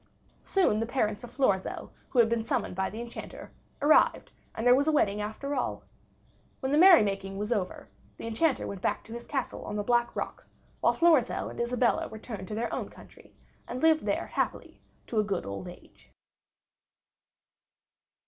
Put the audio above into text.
Soon the parents of Florizel, who had been summoned by the Enchanter, arrived, and there was a wedding after all. When the merrymaking was over, the Enchanter went back to his castle on the Black Rock, while Florizel and Isabella returned to their own country, and lived there happily to a good old age.